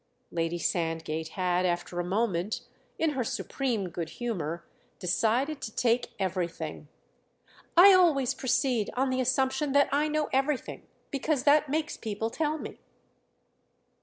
Lady Sandgate had after a moment, in her supreme good humour, decided to take everything. "I always proceed on the assumption that I know everything, because that makes people tell me."